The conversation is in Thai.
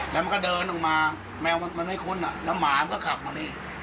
แล้วมันก็เดินออกมาแมวมันไม่คุ้นแล้วหมามันก็ขับมานี่